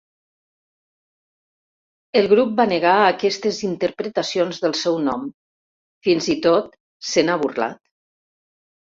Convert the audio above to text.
El grup va negar aquestes interpretacions del seu nom, fins i tot se n'ha burlat.